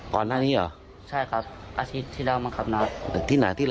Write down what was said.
ก่อนหน้านี้เหรอใช่ครับอาทิตย์ที่แล้วมั้งครับนะที่ไหนที่